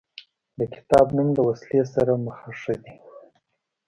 د کتاب نوم له وسلې سره مخه ښه دی.